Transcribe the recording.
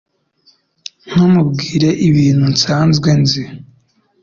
Ntumbwire ibintu nsanzwe nzi